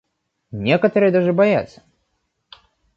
Некоторые даже боятся.